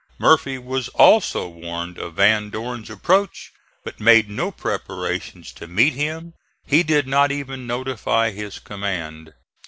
Murphy was also warned of Van Dorn's approach, but made no preparations to meet him. He did not even notify his command.